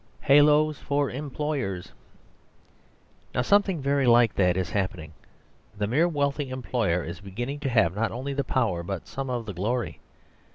Haloes for Employers Now something very like that is happening; the mere wealthy employer is beginning to have not only the power but some of the glory.